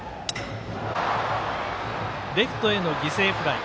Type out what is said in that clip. レフトへの犠牲フライ。